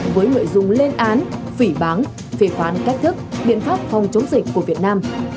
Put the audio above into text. với nội dung lên án phỉ bán phỉ khoán cách thức biện pháp phòng chống dịch của việt nam